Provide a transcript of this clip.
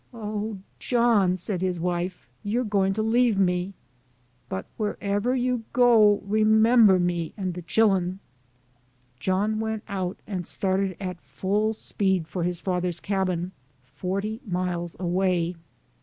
" Oh ! John," said his wife, " you's gwine to lebe me ; but, wherebber you go, remem ber me an' de chillen." John went out and started at full speed for his father's cabin, forty miles away.